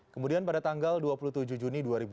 kemudian pada tanggal dua puluh tujuh juni dua ribu dua puluh